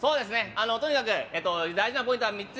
とにかく大事なポイントは３つ。